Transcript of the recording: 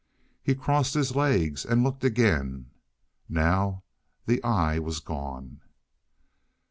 He crossed his legs and looked again. Now the eye was gone.